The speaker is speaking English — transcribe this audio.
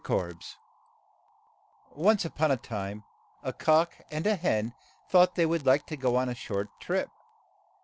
KORBES ONCE on a time a cock and a hen thought they would like to go on a short trip.